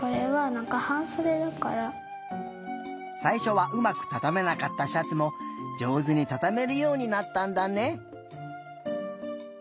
さいしょはうまくたためなかったシャツもじょうずにたためるようになったんだね。